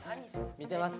見てますか？